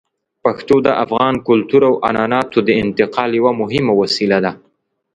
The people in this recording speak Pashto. پښتو د افغان کلتور او عنعناتو د انتقال یوه مهمه وسیله ده.